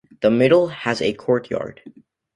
The middle has a courtyard.